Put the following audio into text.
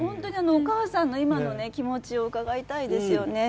お母さんの今の気持ちを伺いたいですよね。